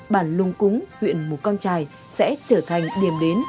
bản lùng cúng sẽ trở thành điểm đến